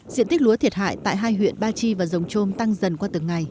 diện tích lúa thiệt hại tại hai huyện ba chi và rồng chôm tăng dần qua từng ngày